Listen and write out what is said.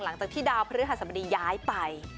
หลังจากที่ดาวพระฤษฎีย้ายไป